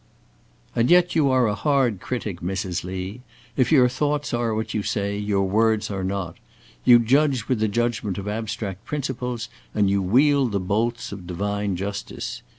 "And yet you are a hard critic, Mrs. Lee. If your thoughts are what you say, your words are not. You judge with the judgment of abstract principles, and you wield the bolts of divine justice.